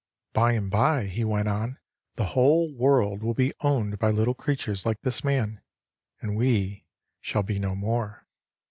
"By and by," he went on, "the whole world will be owned by little creatures like this man, and we shall be no more."